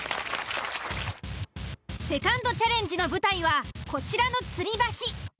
セカンドチャレンジの舞台はこちらの吊り橋。